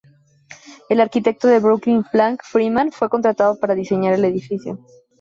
El arquitecto de Brooklyn Frank Freeman fue contratado para diseñar el edificio.